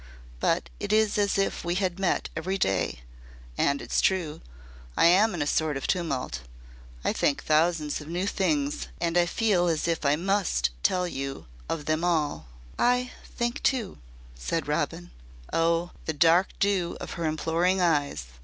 But it is as if we had met every day and it's true I am in a sort of tumult. I think thousands of new things and I feel as if I must tell you of them all." "I think too," said Robin. Oh! the dark dew of her imploring eyes!